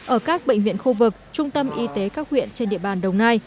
ở các bệnh viện khu vực trung tâm y tế các huyện trên địa bàn đồng nai